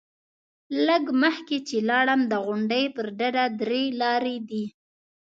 لږ مخکې چې لاړم، د غونډۍ پر ډډه درې لارې دي.